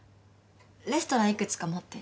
レストランいくつか持ってる。